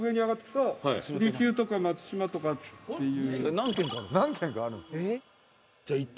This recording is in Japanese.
何軒かあるんですか？